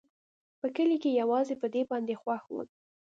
په کلي کښې يوازې په دې باندې خوښ وم.